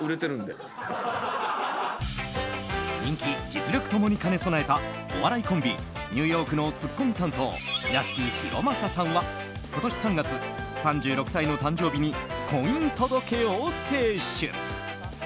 人気、実力ともに兼ね備えたお笑いコンビ、ニューヨークのツッコミ担当屋敷裕政さんは今年３月３６歳の誕生日に婚姻届を提出。